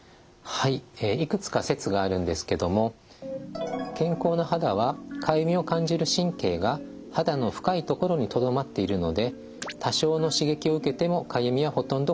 いくつか説があるんですけども健康な肌はかゆみを感じる神経が肌の深いところにとどまっているので多少の刺激を受けてもかゆみはほとんど感じません。